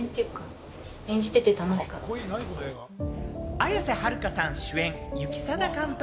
綾瀬はるかさん主演、行定監督